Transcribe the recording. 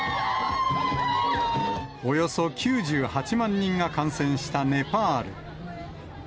およそ９８万人が感染したネパール。